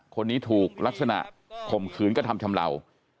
คนนี้ถูกลักษณะข่มขืนกระทำชำเหล่า